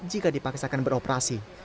jika dipaksakan beroperasi